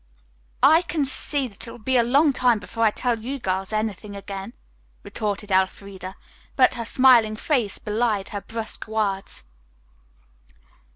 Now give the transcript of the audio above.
"I can see that it will be a long time before I tell you girls anything again," retorted Elfreda, but her smiling face belied her brusque words.